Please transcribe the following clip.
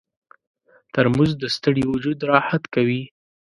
ترموز د ستړي وجود راحت کوي.